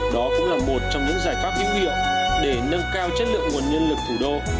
đó cũng là một trong những giải pháp hữu hiệu để nâng cao chất lượng nguồn nhân lực thủ đô